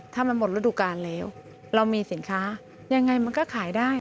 ถ้ามันหมดฤดูการแล้วเรามีสินค้ายังไงมันก็ขายได้